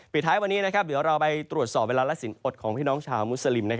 สุดท้ายวันนี้เดี๋ยวเราไปตรวจสอบเวลาและสินอดของพี่น้องชาวมุสลิม